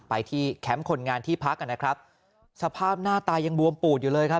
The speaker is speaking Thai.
ไปที่แคมป์คนงานที่พักอ่ะนะครับสภาพหน้าตายังบวมปูดอยู่เลยครับ